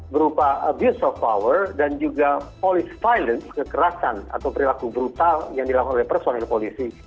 berupa abuse of power dan juga polis violence kekerasan atau perilaku brutal yang dilakukan oleh personil polisi